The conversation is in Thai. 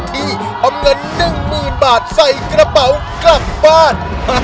ทำเงินหนึ่งมีนบาทใส่กระเป๋ากลับบ้าน